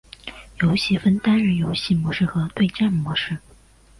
游戏分为单人游戏模式和对战模式。